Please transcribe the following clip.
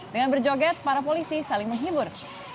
dengan berjoget para polisi saling menghibur